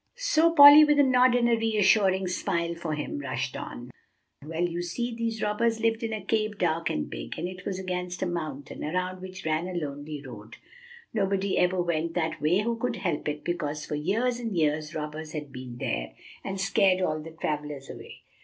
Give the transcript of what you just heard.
So Polly, with a nod and a reassuring smile for him, rushed on. "Well, you see, these robbers lived in a cave dark and big; it was against a mountain, around which ran a lonely road. Nobody ever went that way who could help it, because for years and years robbers had been there, and scared all the travellers away.